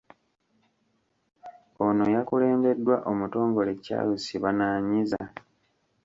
Ono yakulembeddwa Omutongole Charles Bananyizza.